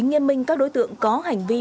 nghiên minh các đối tượng có hành vi